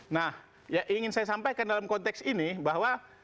nah yang ingin saya sampaikan dalam konteks ini bahwa